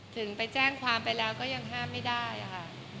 ถึงไปแจ้งความไปแล้วก็ยังห้ามไม่ได้ค่ะ